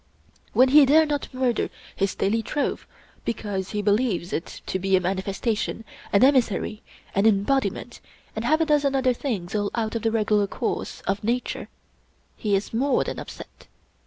When he dare not murder his daily trove because he believes it to be a manifestation, an emissary, an embodiment, and half a dozen other things all out of the regular course of nature, he is more than upset.